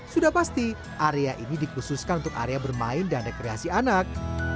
sudah pasti area ini dikhususkan untuk area bermain dan rekreasi anak